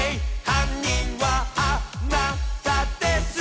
犯人はあなたです」